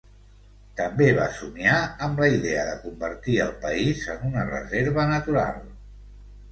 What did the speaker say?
També va somniar amb la idea de convertir el país en una reserva natural.